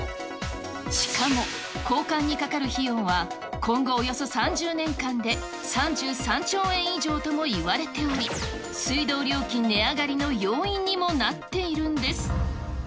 しかも、交換にかかる費用は今後およそ３０年間で３３兆円以上ともいわれており、水道料金値上がりの要因にもなっているんです。